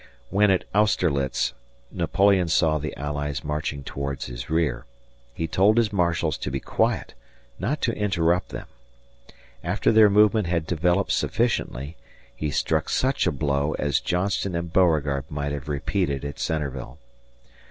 When at Austerlitz Napoleon saw the allies marching towards his rear, he told his marshals to be quiet, not to interrupt them. After their movement had developed sufficiently, he struck such a blow as Johnston and Beauregard might have repeated at Centreville.